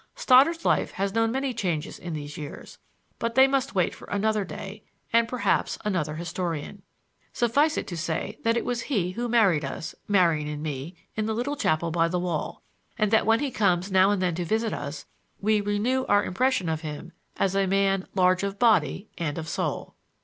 Stoddard's life has known many changes in these years, but they must wait for another day, and, perhaps, another historian. Suffice it to say that it was he who married us —Marian and me—in the little chapel by the wall, and that when he comes now and then to visit us, we renew our impression of him as a man large of body and of soul.